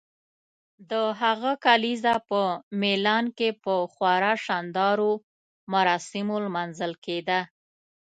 د هغه کلیزه په میلان کې په خورا شاندارو مراسمو لمانځل کیده.